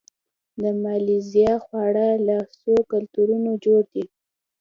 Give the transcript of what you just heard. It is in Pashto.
د مالیزیا خواړه له څو کلتورونو جوړ دي.